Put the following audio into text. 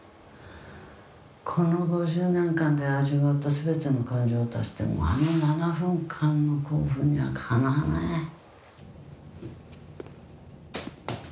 「この５０年間で味わった全ての感情を足してもあの７分間の興奮にはかなわない」